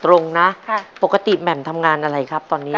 ตรงนะปกติแหม่มทำงานอะไรครับตอนนี้